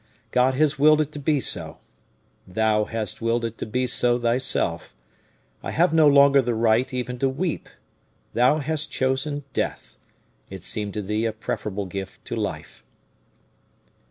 God has willed it to be so. Thou hast willed it to be so, thyself. I have no longer the right even to weep. Thou hast chosen death; it seemed to thee a preferable gift to life."